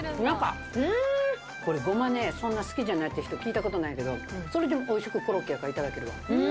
ごま、そんなに好きじゃないっていう人、聞いたことないけど、それでもおいしくコロッケ、いただけるわ。